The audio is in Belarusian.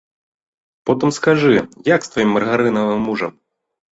Потым скажы, як з тваім маргарынавым мужам?